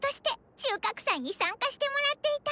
収穫祭に参加してもらっていたの！